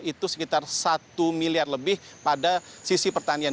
itu sekitar satu miliar lebih pada sisi pertanian